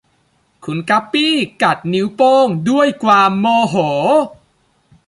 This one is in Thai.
คุณกัปปี้กัดนิ้วโป้งด้วยความโมโห